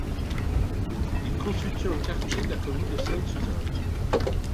Il constitue un quartier de la commune de Sainte-Suzanne.